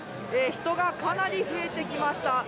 人がかなり増えてきました。